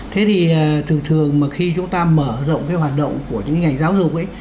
thế thì thường thường mà khi chúng ta mở rộng cái hoạt động của những ngành giáo dục ấy